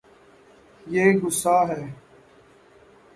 یے گصاہ ہے